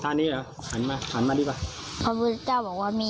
นี้เหรอหันมาหันมาดีกว่าพระพุทธเจ้าบอกว่ามี